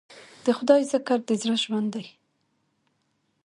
د خدای ذکر د زړه ژوند دی.